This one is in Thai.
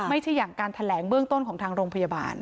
ไม่ใช่อย่างการแถลงเบื้องต้นของทางโรงพยาบาล